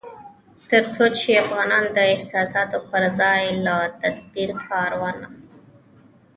تر څو چې افغانان د احساساتو پر ځای له تدبير کار وانخلي